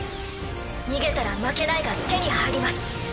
逃げたら「負けない」が手に入ります。